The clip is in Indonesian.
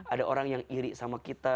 ada orang yang iri sama kita